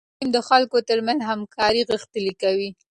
د نجونو تعليم د خلکو ترمنځ همکاري غښتلې کوي.